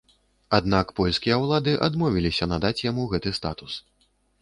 Аднак польскія ўлады адмовіліся надаць яму гэты статус.